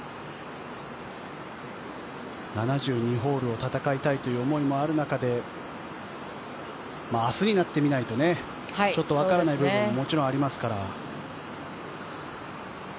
７２ホールを戦いたいという思いもある中で明日になってみないとちょっとわからない部分ももちろん、ありますから。